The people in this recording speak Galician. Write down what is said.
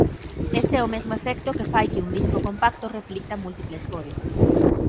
Este é o mesmo efecto que fai que un disco compacto reflicta múltiples cores.